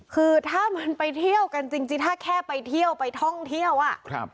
คือถ้ามันไปเที่ยวกันจริงถ้าแค่ไปเที่ยวไปท่องเที่ยวอ่ะครับ